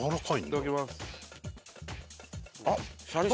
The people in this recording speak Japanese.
いただきます。